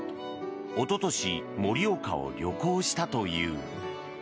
おととし盛岡を旅行したという。